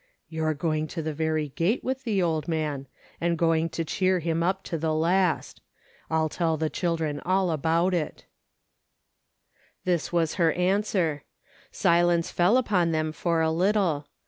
"You're going to the very gate with the old man, and going to cheer him up to the last. I'll tell the children all about it." ''DELIVERANCES 309 This was her answer. Silence fell upon them for a little.